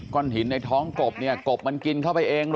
หินในท้องกบเนี่ยกบมันกินเข้าไปเองเหรอ